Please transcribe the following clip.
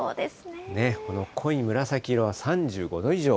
この濃い紫色は３５度以上。